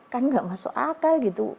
kan nggak masuk akal gitu